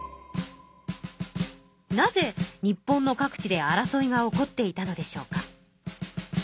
なぜ日本の各地で争いが起こっていたのでしょうか？